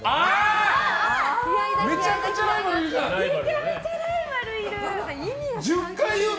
めちゃくちゃライバルじゃん！